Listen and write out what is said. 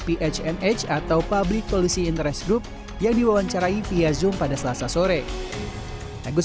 phnh atau public policy interest group yang diwawancarai via zoom pada selasa sore agus